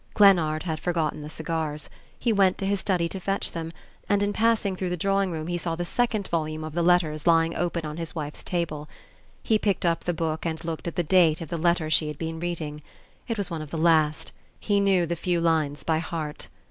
Glennard had forgotten the cigars. He went to his study to fetch them, and in passing through the drawing room he saw the second volume of the "Letters" lying open on his wife's table. He picked up the book and looked at the date of the letter she had been reading. It was one of the last... he knew the few lines by heart.